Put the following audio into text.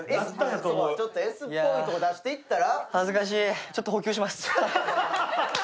ちょっとＳっぽいとこ出していったら？